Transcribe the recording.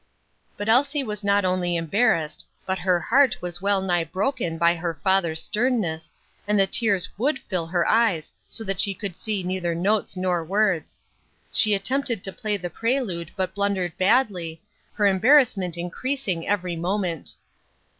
But Elsie was not only embarrassed, but her heart was well nigh broken by her father's sternness, and the tears would fill her eyes so that she could see neither notes nor words. She attempted to play the prelude, but blundered sadly, her embarrassment increasing every moment.